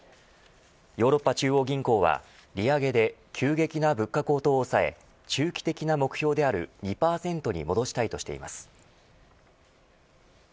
ヨーロッパ中央銀行は利上げで急激な物価高騰を抑え中期的な目標である２％に戻したいとしています。